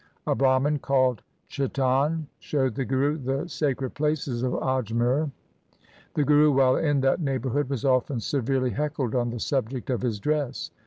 A Brahman called Chetan showed the Guru the sacred places of Ajmer. The Guru while in that neighbourhood was often severely heckled on the subject of his dress.